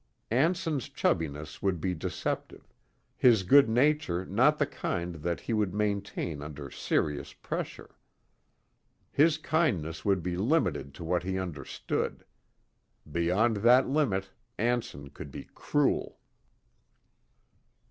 Anson's chubbiness would be deceptive, his good nature not the kind that he would maintain under serious pressure. His kindness would be limited to what he understood. Beyond that limit, Anson could be cruel.